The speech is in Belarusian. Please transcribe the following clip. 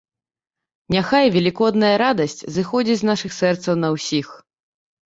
Няхай велікодная радасць зыходзіць з нашых сэрцаў на ўсіх!